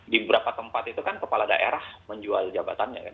di beberapa tempat itu kan kepala daerah menjual jabatannya kan